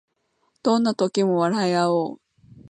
どんな時も笑いあおう